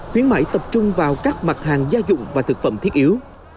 khuyến mại tập trung vào các mặt hàng gia dụng và thực phẩm thiết yếu